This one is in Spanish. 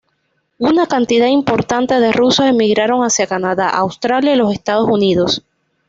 Una cantidad importante de rusos emigraron hacia Canadá, Australia, y los Estados Unidos.